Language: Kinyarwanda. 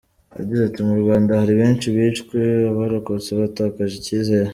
Yagize ati "Mu Rwanda, hari benshi bishwe, abarokotse batakaje icyizere.